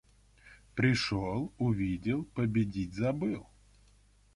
Пришел, увидел, победить забыл.